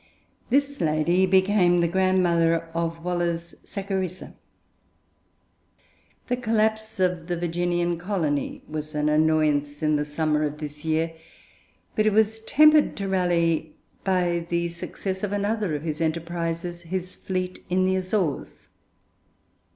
This lady became the grandmother of Waller's Sacharissa. The collapse of the Virginian colony was an annoyance in the summer of this year, but it was tempered to Raleigh by the success of another of his enterprises, his fleet in the Azores.